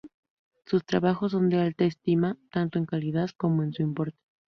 Sus trabajos son de alta estima, tanto en calidad como en su importe.